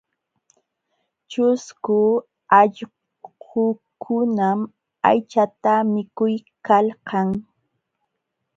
Ćhusku allqukunam aychata mikuykalkan.